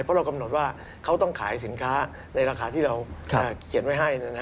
เพราะเรากำหนดว่าเขาต้องขายสินค้าในราคาที่เราเขียนไว้ให้